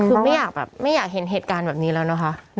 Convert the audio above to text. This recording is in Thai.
คือไม่อยากแบบไม่อยากเห็นเหตุการณ์แบบนี้แล้วนะคะ